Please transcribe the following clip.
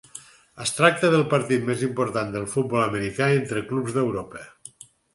Es tracta del partit més important del futbol americà entre clubs d'Europa.